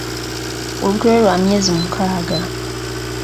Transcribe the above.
Olubuto lwe lwa myezi mukaaga.